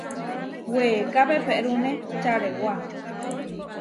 Weeká peperúne čarewá.